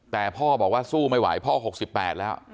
แต่พ่อบอกว่าสู้ไม่ไหวพ่อหกสิบแปดแล้ว